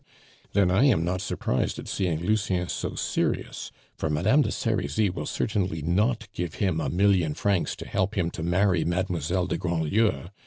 "Then I am not surprised at seeing Lucien so serious; for Madame de Serizy will certainly not give him a million francs to help him to marry Mademoiselle de Grandlieu.